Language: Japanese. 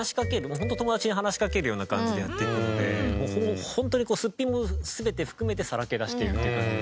ホント友達に話しかけるような感じでやっていくのでホントにこうすっぴんも全て含めてさらけ出しているという感じです。